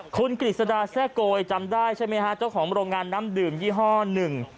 คุณกฤษฎาแซ่โกยจำได้ใช่ไหมฮะเจ้าของโรงงานน้ำดื่มยี่ห้อหนึ่ง